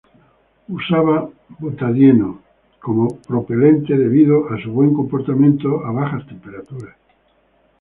Usaba butadieno como propelente debido a su buen comportamiento a bajas temperaturas.